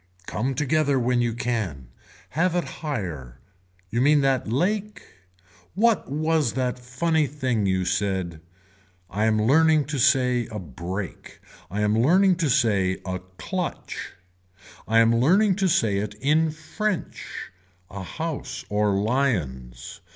Come together when you can. Have it higher. You mean that lake. What was that funny thing you said. I am learning to say a break. I am learning to say a clutch. I am learning to say it in french. A house or lions.